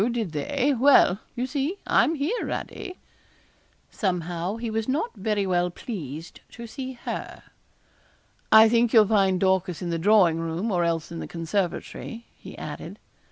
did they? Well, you see, I'm here, Radie.' Somehow he was not very well pleased to see her. 'I think you'll find Dorcas in the drawing room, or else in the conservatory,' he added.